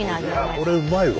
これうまいわ。